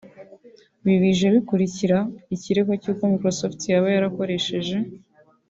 Ibi bije bikurikira ikirego cy’uko Microsoft yaba yarakoresheje